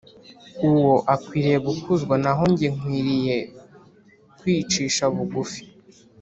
. Uwo akwiriye gukuzwa; naho jye nkwiriye kwicisha bugufi.”